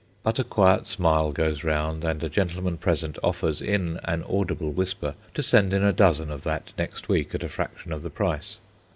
But a quiet smile goes round, and a gentleman present offers, in an audible whisper, to send in a dozen of that next week at a fraction of the price.